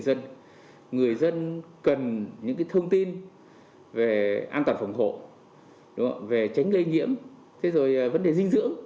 dân người dân cần những cái thông tin về an toàn phòng khổ về tránh lây nhiễm thế rồi vấn đề dinh dưỡng